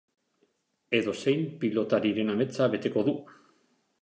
Edozein pilotariren ametsa beteko dut.